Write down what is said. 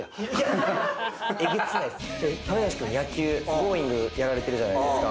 『Ｇｏｉｎｇ！』やられてるじゃないですか。